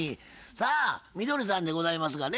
さあみどりさんでございますがね